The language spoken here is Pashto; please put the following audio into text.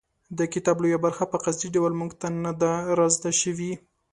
د کتاب لویه برخه په قصدي ډول موږ ته نه ده رازده شوې.